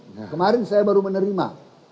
nah kemarin saya baru menerima